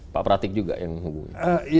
pak pratik juga yang menghubungi